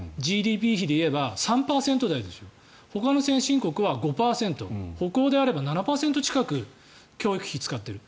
ＧＤＰ比で言えば３％台でしょうほかの先進国は５％北欧であれば７％近く教育費に使っている。